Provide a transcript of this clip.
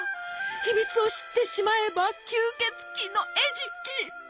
秘密を知ってしまえば吸血鬼の餌食！